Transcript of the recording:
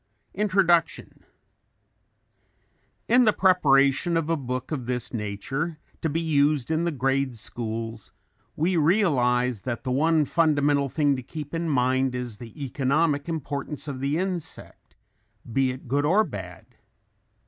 INTRODUCTION In the preparation of a book of this nature, to be used in the grade schools, we realize that the one fundamental thing to keep in mind is the economic importance of the insect, be it good or bad.